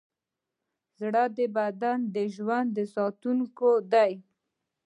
زړه د بدن د ژوند ساتونکی دی.